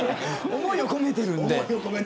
思いを込めているんで。